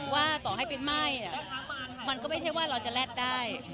ว่าต่อให้เป็นไหม้มันก็ไม่ใช่ว่าเราจะแรดได้